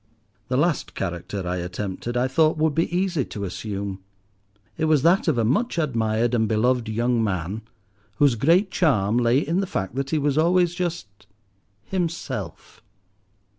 The last character I attempted I thought would be easy to assume. It was that of a much admired and beloved young man, whose great charm lay in the fact that he was always just—himself.